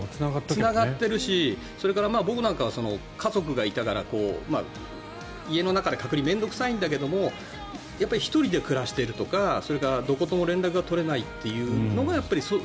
つながってるし僕なんかは家族がいたから家の中で隔離は面倒臭いんだけどやっぱり１人で暮らしているとかどことも連絡が取れないというのが。